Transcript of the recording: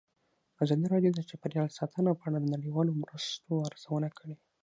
ازادي راډیو د چاپیریال ساتنه په اړه د نړیوالو مرستو ارزونه کړې.